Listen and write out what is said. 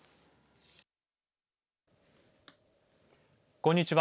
こんにちは。